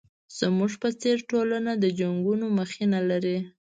زموږ په څېر ټولنه د جنګونو مخینه لري.